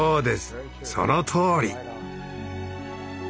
そのとおり。